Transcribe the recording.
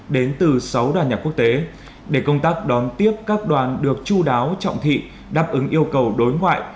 đến từ sáu đoàn nhạc quốc tế để công tác đón tiếp các đoàn được chú đáo trọng thị đáp ứng yêu cầu đối ngoại